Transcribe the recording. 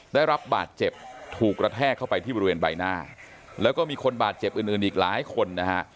ได้รับบาดเจ็บถูกกระแทกเข้าไปที่บริเวณใบหน้าแล้วก็มีคนบาดเจ็บอื่นอื่นอีกหลายคนนะฮะ